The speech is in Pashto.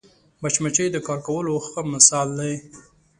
مچمچۍ د کار کولو ښه مثال دی